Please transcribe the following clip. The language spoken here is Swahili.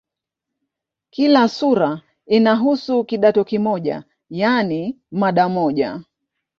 Kila sura inahusu "kidato" kimoja, yaani mada moja.